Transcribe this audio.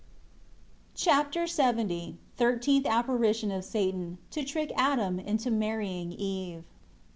Chapter LXX Thirteenth apparition of Satan, to trick Adam into marrying Eve.